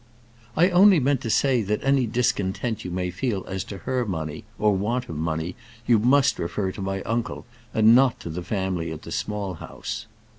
"I only meant to say, that any discontent you may feel as to her money, or want of money, you must refer to my uncle, and not to the family at the Small House."